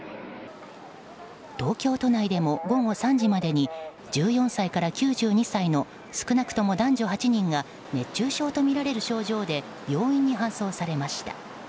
東京都内でも、午後３時までに１４歳から９２歳の少なくとも男女８人が熱中症とみられる症状で病院に搬送されました。